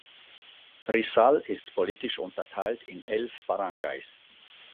Rizal ist politisch unterteilt in elf Baranggays.